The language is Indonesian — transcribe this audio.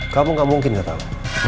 kamu gak mungkin gak tahu